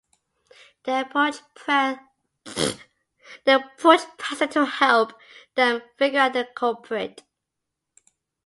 They approach Pencil to help them figure out the culprit.